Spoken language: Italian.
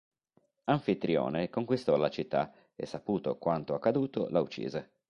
Anfitrione conquistò la città e saputo quanto accaduto la uccise.